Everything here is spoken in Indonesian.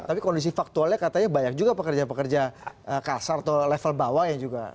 tapi kondisi faktualnya katanya banyak juga pekerja pekerja kasar atau level bawah yang juga